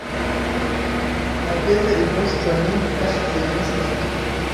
Nageze i Boston hashize iminsi itatu,